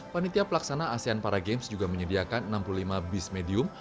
panitia pelaksana asean para games juga menyediakan enam puluh lima bis medium